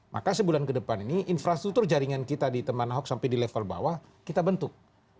maka sebulan ke depan ini infrastruktur jaringan kita di teman ahok sampai di level bawah kita bentuk